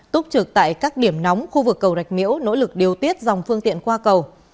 túc trực tại các điểm nóng khu vực cầu rạch miễu nỗ lực điều tiết dòng phương tiện qua cầu